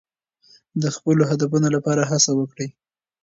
د خپلو هدفونو لپاره هڅه وکړئ.